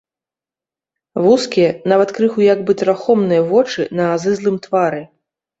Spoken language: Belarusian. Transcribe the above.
Вузкія, нават крыху як бы трахомныя, вочы на азызлым твары.